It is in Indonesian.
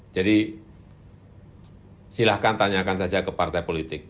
jadi silakan tanyakan saja ke partai politik